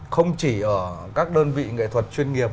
không chỉ ở các đơn vị nghệ thuật chuyên nghiệp